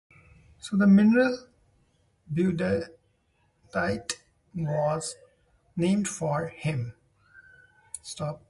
The mineral beudantite was named for him.